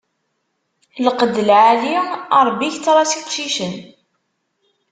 Lqed lɛali, a Ṛebbi ketter-as iqcicen.